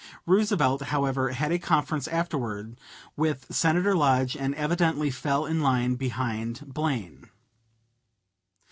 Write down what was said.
Roosevelt, however, had a conference afterward with Senator Lodge and eventually fell in line behind Blaine.